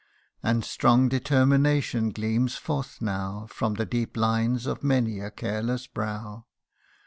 And strong determination gleams forth now From the deep lines of many a careless brow.